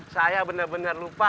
saya bener bener lupa